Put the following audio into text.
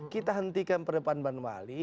kita hentikan perdebatan ban wali